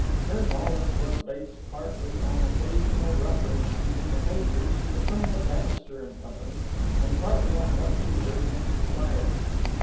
Her knowledge was based partly on occasional references in the papers to the firm of Bannister & Co. and partly on what she heard in society.